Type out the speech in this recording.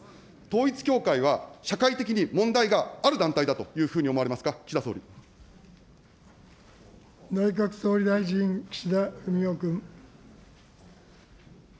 統一教会は社会的に問題がある団体だというふうに思われますか、内閣総理大臣、岸田文雄君。